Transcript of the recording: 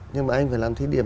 nhưng mà anh phải làm thúy điểm